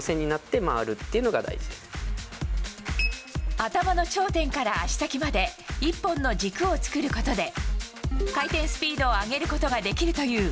頭の頂点から足先まで１本の軸を作ることで回転スピードを上げることができるという。